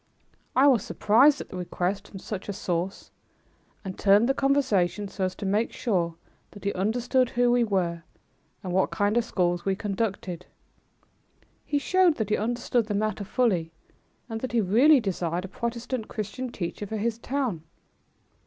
I was surprised at the request from such a source and turned the conversation so as to make sure that he understood who we were and what kind of schools we conducted. He showed that he understood the matter fully, and that he really desired a Protestant Christian teacher for his town.